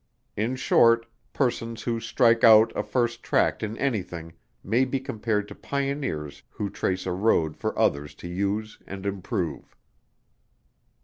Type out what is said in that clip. In short, persons who strike out a first tract in any thing, may be compared to pioneers who trace a road for others to use and improve.